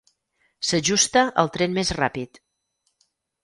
S'ajusta al tren més ràpid.